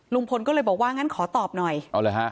ลุงพลก็เลยบอกว่างั้นขอตอบหน่อยเอาเลยฮะ